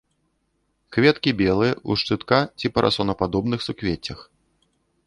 Кветкі белыя, у шчытка- ці парасонападобных суквеццях.